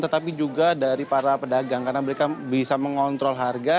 tetapi juga dari para pedagang karena mereka bisa mengontrol harga